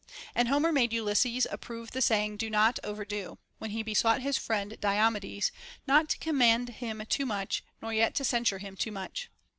And Homer made Ulysses approve the saying ;' Do not overdo," when he besought his friend Dio medes not to commend him too much nor yet to censure him too much.